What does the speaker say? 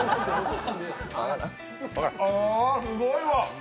あ、すごいわ！